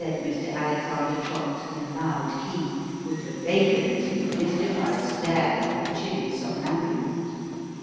said Mr. Alexander Trott, in a loud key, with the vacant and mystified stare of a chilly somnambulist.